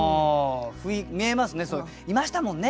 見えますねいましたもんね。